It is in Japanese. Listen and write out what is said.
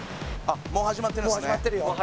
もう始まってるよ